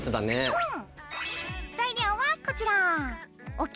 うん。